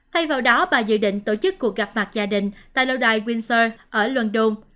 thay vào đó bà dự định tổ chức cuộc gặp mặt gia đình tại lâu đài winsur ở london